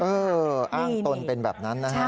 เอออ้างตนเป็นแบบนั้นนะฮะ